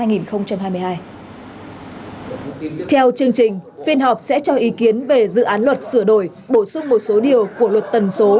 theo chương trình phiên họp sẽ cho ý kiến về dự án luật sửa đổi bổ sung một số điều của luật tần số